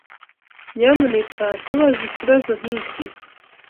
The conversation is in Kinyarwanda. Nyamuneka ntubaze ikibazo nk'iki